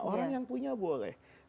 orang yang punya boleh